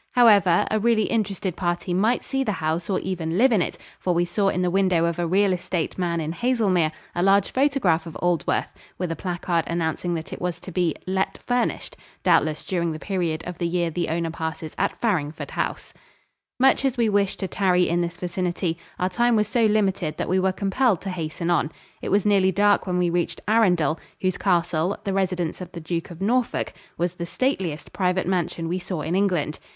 However, a really interested party might see the house or even live in it, for we saw in the window of a real estate man in Haselmere a large photograph of Aldworth, with a placard announcing that it was to be "let furnished" doubtless during the period of the year the owner passes at Farringford House. [Illustration: ARUNDEL CASTLE.] Much as we wished to tarry in this vicinity, our time was so limited that we were compelled to hasten on. It was nearly dark when we reached Arundel, whose castle, the residence of the Duke of Norfolk, was the stateliest private mansion we saw in England.